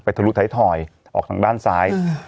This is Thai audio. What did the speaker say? ไปทะลุไถ่ถอยออกทางด้านซ้าย